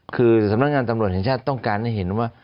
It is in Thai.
คือสำนักงานตำรวจแห่งชาติต้องการให้เห็นว่า